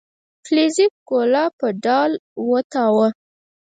فلیریک ګوله په ډال وتاوله.